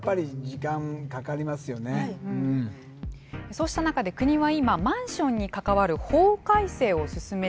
そうした中で国は今マンションに関わる法改正を進めています。